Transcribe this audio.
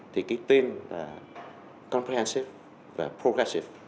thì cái tên là comprehensive và progressive